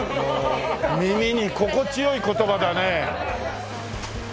耳に心地良い言葉だね。